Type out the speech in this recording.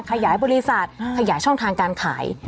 ขยายบริษัทขยายช่องทางการขาย